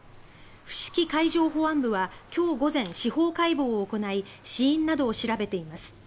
伏木海上保安部は今日午前、司法解剖を行い死因などを調べています。